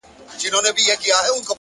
زړورتیا د عمل کولو توان دی.